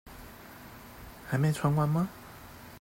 還沒傳完嗎？